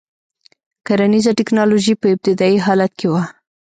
کرنیزه ټکنالوژي په ابتدايي حالت کې وه.